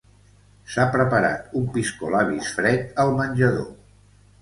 S'ha preparat un piscolabis fred al menjador.